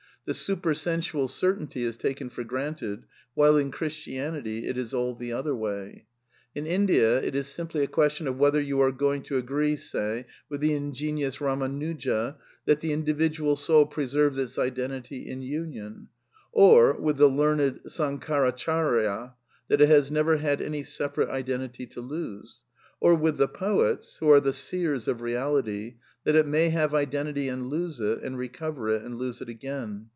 The supersensual cer ^/>\ tainty is taken for granted, while in Christianity it is all \ the other way. In India it is simply a question of whether ' you are going to agree, say, with the ingenious Samanuja that the individual soid preserves its identity in union ; or with the learned Sankaracharya that it has never had any separate identity to lose; or with the poets, who are the seers of Beality, that it may have identity and lose it, and recover it and lose it again.